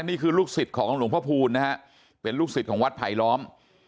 นี่คือลูกศิษย์ของหลวงพ่อพูลนะฮะเป็นลูกศิษย์ของวัดไผลล้อม